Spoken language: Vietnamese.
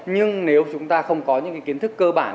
nhưng nếu chúng ta không có những kiến thức cơ bản